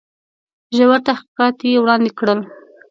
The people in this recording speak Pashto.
ژور تحقیقات یې وړاندي کړل.